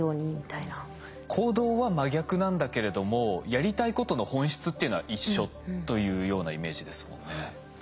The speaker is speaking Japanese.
行動は真逆なんだけれどもやりたいことの本質というのは一緒というようなイメージですもんね。